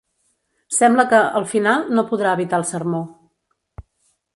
Sembla que, al final, no podrà evitar el sermó.